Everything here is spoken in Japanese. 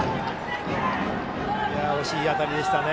惜しい当たりでしたね。